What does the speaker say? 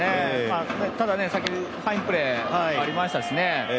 ただ、さっきファインプレーありましたしね